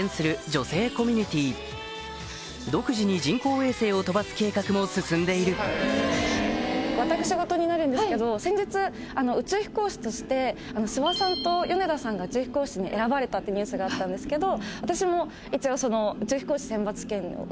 女性コミュニティー独自に人工衛星を飛ばす計画も進んでいる諏訪さんと米田さんが宇宙飛行士に選ばれたってニュースがあったんですけど。